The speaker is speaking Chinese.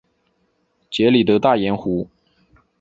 杰里德大盐湖。